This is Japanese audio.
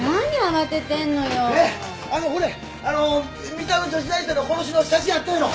三田の女子大生の殺しの写真あったやろ！